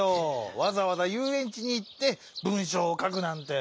わざわざゆうえんちにいって文しょうをかくなんて！